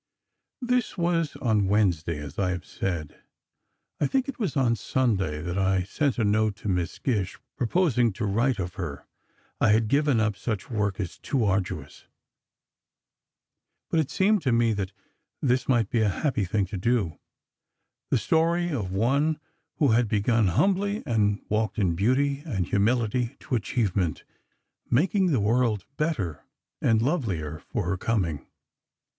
This was on Wednesday, as I have said. I think it was on Sunday that I sent a note to Miss Gish, proposing to write of her. I had given up such work as too arduous, but it seemed to me that this might be a happy thing to do—the story of one who had begun humbly, and walked in beauty and humility to achievement, making the world better and lovelier for her coming.